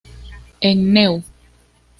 En "Neu!